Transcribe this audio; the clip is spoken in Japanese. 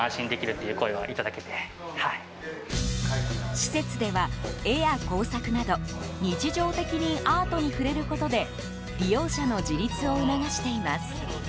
施設では絵や工作など日常的にアートに触れることで利用者の自立を促しています。